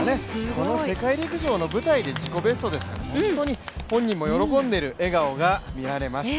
この世界陸上の舞台で自己ベストですから、本当に本人も喜んでいる笑顔が見られました。